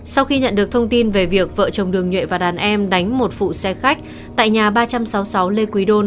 sau khi nhận được thông tin về việc vợ chồng đường nhuệ và đàn em đánh một phụ xe khách tại nhà ba trăm sáu mươi sáu lê quý đôn